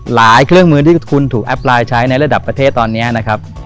เครื่องมือที่คุณถูกแอปไลน์ใช้ในระดับประเทศตอนนี้นะครับ